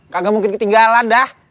kagak mungkin ketinggalan dah